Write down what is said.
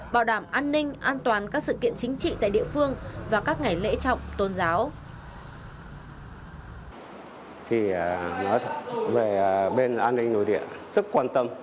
bảo đảm an ninh an toàn các sự kiện chính trị tại địa phương và các ngày lễ trọng tôn giáo